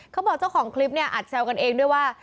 เขาบอกเจ้าของคลิปเนี่ยอัดแซวกันเองด้วยว่า